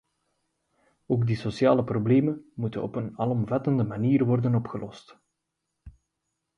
Ook die sociale problemen moeten op een alomvattende manier worden opgelost.